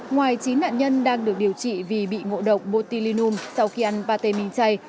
ngoài chín nạn nhân đang được điều trị vì bị ngộ độc botulinum sau khi ăn pate minh chay